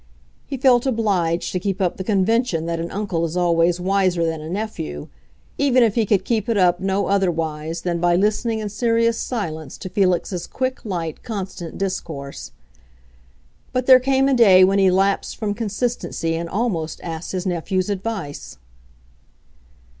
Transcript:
He felt obliged to keep up the convention that an uncle is always wiser than a nephew, even if he could keep it up no otherwise than by listening in serious silence to Felix's quick, light, constant discourse. But there came a day when he lapsed from consistency and almost asked his nephew's advice.